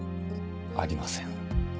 ありません。